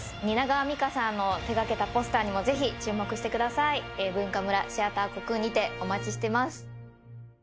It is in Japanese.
蜷川実花さんの手がけたポスターにもぜひ注目してくださいＢｕｎｋａｍｕｒａシアターコクーンにてお待ちしてます